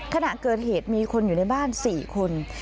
ขณะเกิดเหตุมีคนอยู่ในบ้าน๔คน